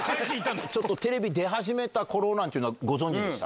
ちょっとテレビ出始めたころなんていうのは、ご存じでした？